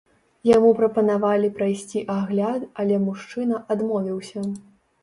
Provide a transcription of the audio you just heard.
Яму прапанавалі прайсці агляд, але мужчына адмовіўся.